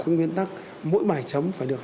cái nguyên tắc mỗi bài chấm phải được